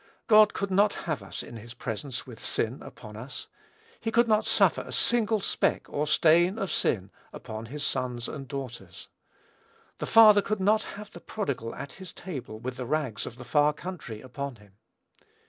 God could not have us in his presence with sin upon us. He could not suffer a single speck or stain of sin upon his sons and daughters. The father could not have the prodigal at his table with the rags of the far country upon him.